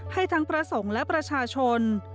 ให้ทั้งพระสงฆ์และประชาชน